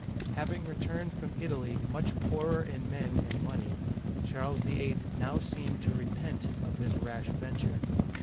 Having returned from Italy much poorer in men and money, Charles VIII. now seemed to repent of his rash venture.